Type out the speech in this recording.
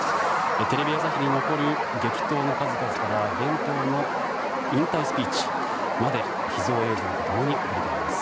テレビ朝日に残る激闘の数々から伝統の引退スピーチまで秘蔵映像と共に振り返ります。